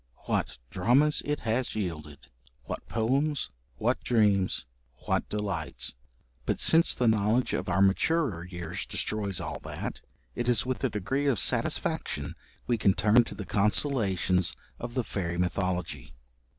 What dramas it has yielded! What poems, what dreams, what delights! But since the knowledge of our maturer years destroys all that, it is with a degree of satisfaction we can turn to the consolations of the fairy mythology.